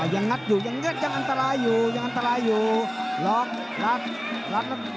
ยังงัดอยู่ยังอันตรายอยู่